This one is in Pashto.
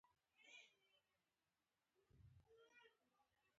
پیغلې د اوس نه ځان ته سره سره کمیسونه کوي